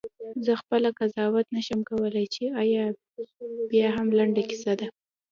زه خپله قضاوت نه شم کولای چې آیا بیاهم لنډه کیسه؟ …